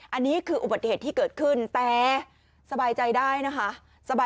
อันนี้คืออุบัติเหตุที่เกิดขึ้นแต่สบายใจได้นะคะ